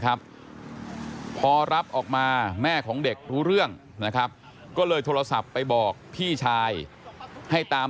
อย่าอย่าอย่าอย่าอย่าอย่าอย่าอย่าอย่าอย่าอย่าอย่าอย่าอย่าอย่า